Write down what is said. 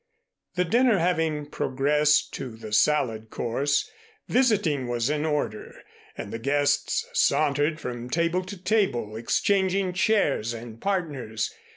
The dinner having progressed to the salad course, visiting was in order, and the guests sauntered from table to table, exchanging chairs and partners.